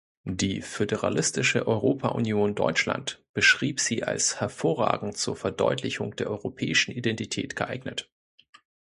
Die föderalistische Europa-Union Deutschland beschrieb sie als „hervorragend zur Verdeutlichung der europäischen Identität geeignet“.